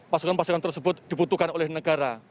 pasukan pasukan tersebut dibutuhkan oleh negara